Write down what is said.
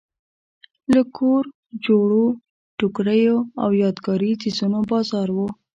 د کور جوړو ټوکریو او یادګاري څیزونو بازار و.